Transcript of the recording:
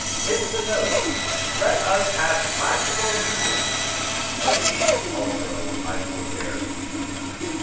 Hit the notes! Let us have classical music!" Of these, also, I forbear to speak.